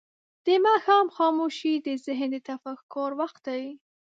د ماښام خاموشي د ذهن د تفکر وخت دی.